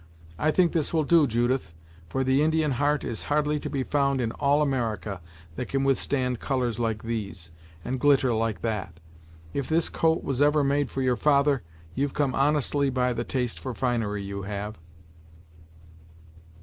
I think this will do, Judith, for the Indian heart is hardly to be found in all America that can withstand colours like these, and glitter like that. If this coat was ever made for your father, you've come honestly by the taste for finery, you have."